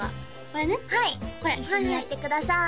これはい一緒にやってください